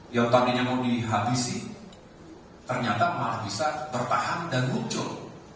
ya tadinya mau dihabisi ternyata malah bisa tertahan dan muncul